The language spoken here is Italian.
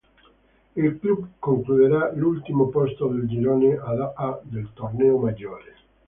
Il club concluderà all'ultimo posto del girone A del torneo maggiore.